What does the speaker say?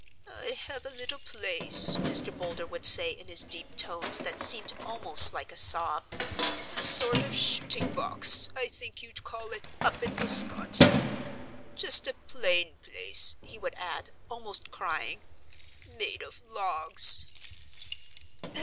"I have a little place," Mr. Boulder would say in his deep tones that seemed almost like a sob, "a sort of shooting box, I think you'd call it, up in Wisconsin; just a plain place" he would add, almost crying "made of logs."